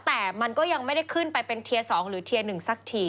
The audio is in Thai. แต่มันก็ยังไม่ได้ขึ้นไปเป็นเทียร์๒หรือเทียร์๑สักที